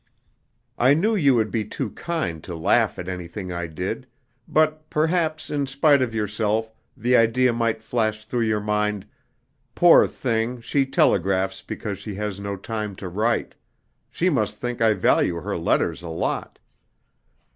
I knew you would be too kind to laugh at anything I did; but perhaps, in spite of yourself, the idea might flash through your mind, 'Poor thing, she telegraphs because she has no time to write. She must think I value her letters a lot!'